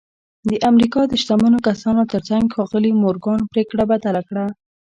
د امریکا د شتمنو کسانو ترڅنګ ښاغلي مورګان پرېکړه بدله کړه